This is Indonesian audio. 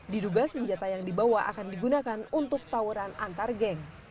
diduga senjata yang dibawa akan digunakan untuk tawuran antar geng